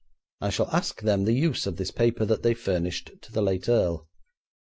I shall ask them the use of this paper that they furnished to the late earl.'